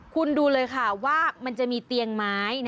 คุณดูเลยค่ะว่ามันจะมีเตียงไม้